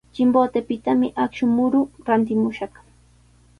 Chimbotepitami akshu muru rantimushaq.